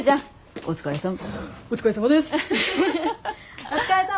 お疲れさま！